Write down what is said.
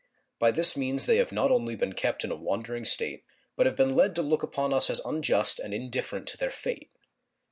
By this means they have not only been kept in a wandering state, but been led to look upon us as unjust and indifferent to their fate.